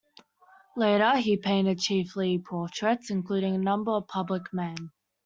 Later he painted chiefly portraits, including a number of public men.